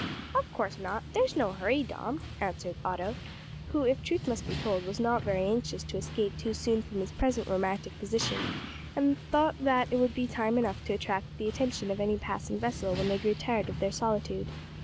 "Of course not. There's no hurry, Dom," answered Otto, who, if truth must be told, was not very anxious to escape too soon from his present romantic position, and thought that it would be time enough to attract the attention of any passing vessel when they grew tired of their solitude.